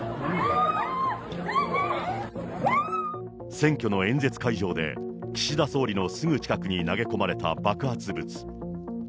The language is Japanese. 選挙の演説会場で、岸田総理のすぐ近くに投げ込まれた爆発物。